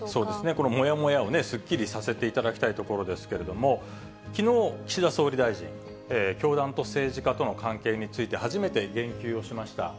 このもやもやをすっきりさせていただきたいところですけれども、きのう、岸田総理大臣、教団と政治家との関係について、初めて言及をしました。